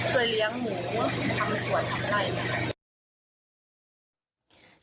ช่วยเลี้ยงหมูทำสวนทำใดค่ะ